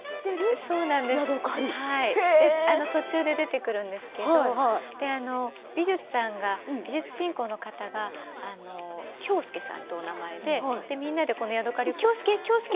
途中で出てくるんですけど美術さんが美術進行の方がきょうすけさんというお名前でだからみんなでこのヤドカリをきょうすけ、